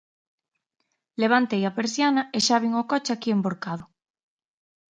Levantei a persiana e xa vin o coche aquí envorcado.